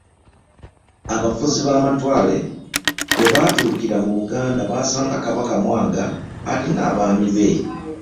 Abafuzi b'amatwale we baatuukira mu Buganda baasanga Kabaka Mwanga alina abaami be.